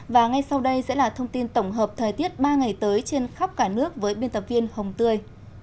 và ngay sau đây sẽ là thông tin tổng hợp thời tiết ba ngày tới trên khắp cả nước với biên tập viên hồng tươi